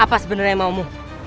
apa sebenernya yang maumu